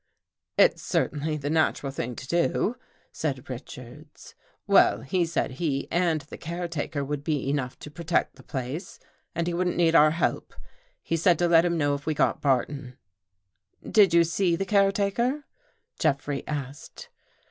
" It's certainly the natural thing to do," said Richards. " Well, he said he and the caretaker would be enough to protect the place and he wouldn't need our help. He said to let him know if we got Barton." " Did you see the caretaker? " Jeffrey asked.